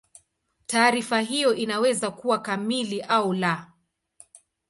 Taarifa hiyo inaweza kuwa kamili au la.